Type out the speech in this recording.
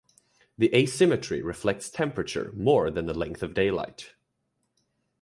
The asymmetry reflects temperature more than the length of daylight.